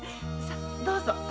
さどうぞ。